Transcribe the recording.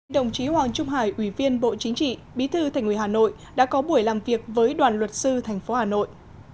đồng chí hoàng trung hải ủy viên bộ chính trị bí thư thành ủy hà nội đã có buổi làm việc với đoàn luật sư tp hà nội